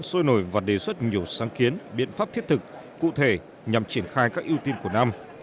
sôi nổi và đề xuất nhiều sáng kiến biện pháp thiết thực cụ thể nhằm triển khai các ưu tiên của năm